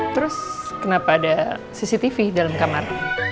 terus kenapa ada cctv dalam kamar